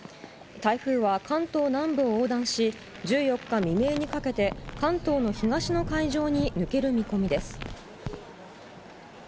台風は関東南部を横断し、１４日未明にかけて、関東の東の海上に抜ける見込みです。